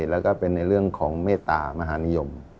แล้วก็เป็นในเรื่องของเมตตามหานิยม